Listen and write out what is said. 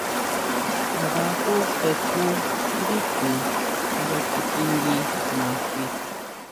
Nda xú jesun ndí chu nga kitingui naxi.